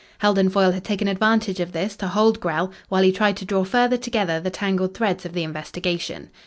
Heldon Foyle had taken advantage of this to hold Grell while he tried to draw further together the tangled threads of the investigation.